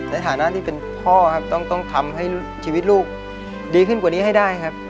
ในฐานะที่เป็นพ่อครับต้องทำให้ชีวิตลูกดีขึ้นกว่านี้ให้ได้ครับ